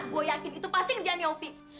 gue yakin itu pasti kerjaannya opi